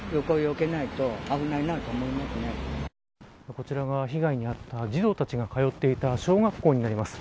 こちらが被害に遭った児童たちが通っていた小学校になります。